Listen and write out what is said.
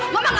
mama gak mau